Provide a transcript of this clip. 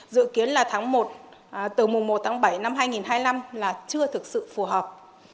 dự kiến là tháng một từ mùa một tháng bảy năm hai nghìn hai mươi năm là chưa thực sự phù hợp